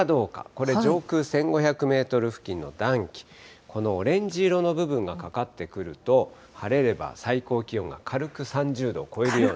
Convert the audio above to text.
これ、上空１５００メートル付近の暖気、このオレンジ色の部分がかかってくると、晴れれば最高気温が軽く３０度を超えるような。